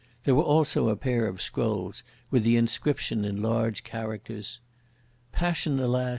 There were also a pair of scrolls, with the inscription in large characters: Passion, alas!